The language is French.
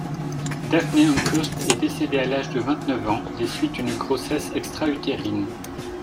Daphne Akhurst est décédée à l'âge de vingt-neuf ans, des suites d'une grossesse extra-utérine.